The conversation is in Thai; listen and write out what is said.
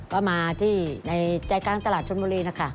ก็มาที่ในใจกลางตลาดชนบุรีนะคะ